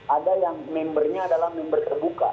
ada yang membernya adalah member terbuka